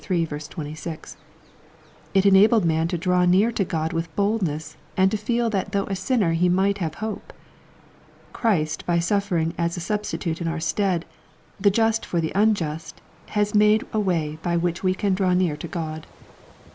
It enabled man to draw near to God with boldness, and to feel that though a sinner he might have hope. Christ by suffering as a Substitute in our stead, the just for the unjust, has made a way by which we can draw near to God.